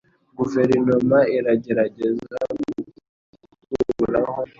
Guverinoma iragerageza gukuraho umwanda.